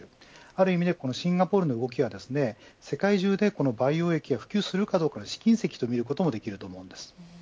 ある意味でシンガポールの動きは世界中で培養液を普及するかどうかの試金石と見ることもできます。